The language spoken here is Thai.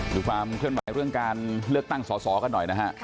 ดูความเคลื่อนไหวเรื่องการเลือกตั้งสอสอกันหน่อยนะฮะ